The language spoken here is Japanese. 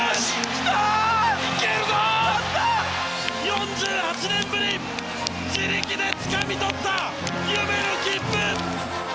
４８年ぶり自力でつかみ取った夢の切符！